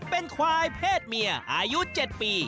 เป็นควายเพศเมียอายุ๗ปี